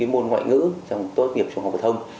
môn ngoại ngữ trong tốt nghiệp trường học vật hồng